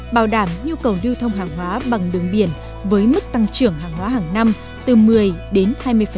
bảo đảm nhu cầu lưu thông hàng hóa bằng đường biển với mức tăng trưởng hàng hóa hàng năm từ một mươi đến hai mươi